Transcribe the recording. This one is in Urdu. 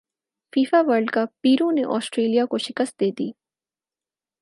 فیفا ورلڈ کپ پیرو نے اسٹریلیا کو شکست دیدی